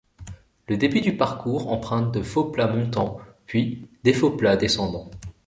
Le début du parcours emprunte de faux plats montants, puis des faux plats descendants.